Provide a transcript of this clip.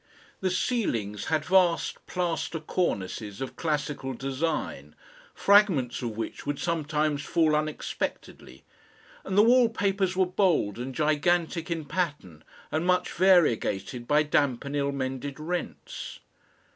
The ceilings had vast plaster cornices of classical design, fragments of which would sometimes fall unexpectedly, and the wall papers were bold and gigantic in pattern and much variegated by damp and ill mended rents.